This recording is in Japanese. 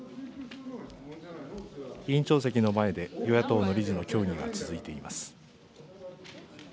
委員長席の前で、与野党の理事の協議が続いています。